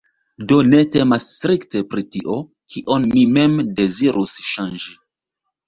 Do ne temas strikte pri tio, kion mi mem dezirus ŝanĝi.